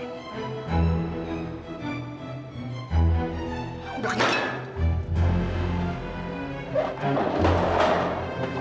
aku bakal nyuruh